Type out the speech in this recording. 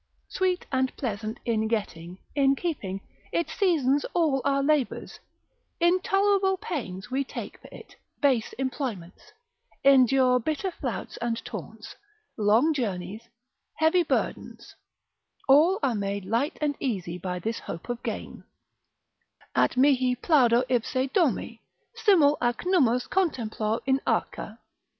Sweet and pleasant in getting, in keeping; it seasons all our labours, intolerable pains we take for it, base employments, endure bitter flouts and taunts, long journeys, heavy burdens, all are made light and easy by this hope of gain: At mihi plaudo ipse domi, simul ac nummos contemplor in arca.